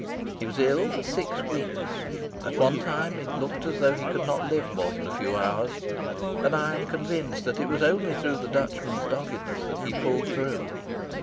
He was ill for six weeks. At one time it looked as though he could not live more than a few hours, and I am convinced that it was only through the Dutchman's doggedness that he pulled through.